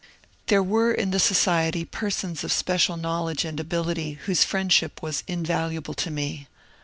There were in the socie.ty persons of special knowledge [\<^ and ability whose friendship was invaluable to me.